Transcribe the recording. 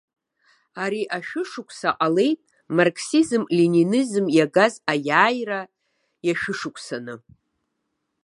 Ари ашәышықәса ҟалеит марксизм-ленинизм иагаз аиааира иашәышықәсаны.